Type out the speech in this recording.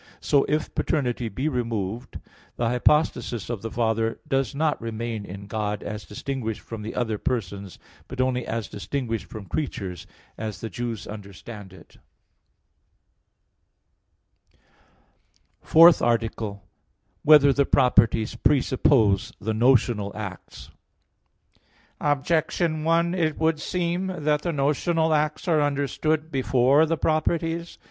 So, if paternity be removed, the hypostasis of the Father does not remain in God, as distinguished from the other persons, but only as distinguished from creatures; as the Jews understand it. _______________________ FOURTH ARTICLE [I, Q. 40, Art. 4] Whether the properties presuppose the notional acts? Objection 1: It would seem that the notional acts are understood before the properties.